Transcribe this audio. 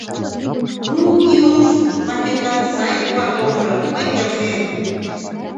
Ну, Нинуш, манметла, сай кува толжо, мый келшем...